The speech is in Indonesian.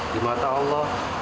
di mata allah